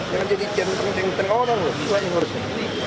jangan jadi ceng ceng ceng orang selain urus ini